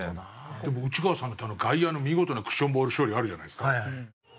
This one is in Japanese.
でも内川さんって外野の見事なクッションボール処理あるじゃないですか。